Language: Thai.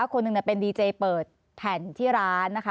คนหนึ่งเป็นดีเจเปิดแผ่นที่ร้านนะคะ